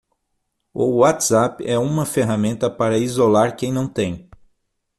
O WhatsApp é uma ferramenta para isolar quem não tem.